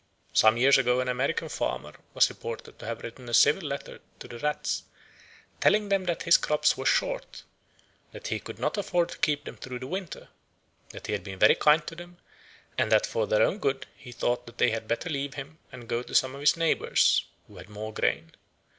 Some years ago an American farmer was reported to have written a civil letter to the rats, telling them that his crops were short, that he could not afford to keep them through the winter, that he had been very kind to them, and that for their own good he thought they had better leave him and go to some of his neighbours who had more grain.